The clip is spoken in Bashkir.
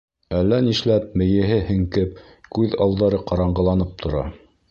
Әллә нишләп мейеһе һеңкеп, күҙ алдары ҡараңғыланып тора.